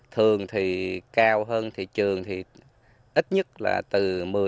thường thì cao hơn thị trường thì ít nhất là từ một mươi